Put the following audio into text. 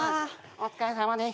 お疲れさまです。